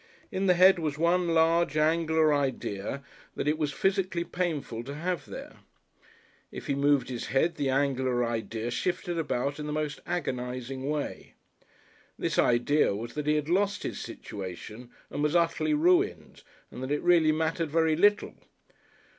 In the head was one large, angular idea that it was physically painful to have there. If he moved his head the angular idea shifted about in the most agonising way. This idea was that he had lost his situation and was utterly ruined and that it really mattered very little.